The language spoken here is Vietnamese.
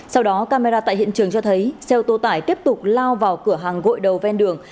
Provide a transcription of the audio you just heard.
sau đó camera tại hiện trường cho thấy xe ô tô tải tiếp tục lao vào cửa hàng gội đầu ven đường